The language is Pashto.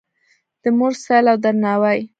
د مور ستایل او درناوی